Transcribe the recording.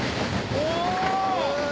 お！